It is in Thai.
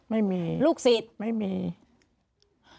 ไม่มีลูกศิษย์ไม่มีลูกศิษย์